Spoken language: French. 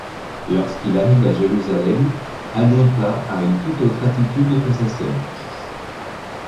Lorsqu'il arrive à Jérusalem Agrippa a une toute autre attitude que sa sœur.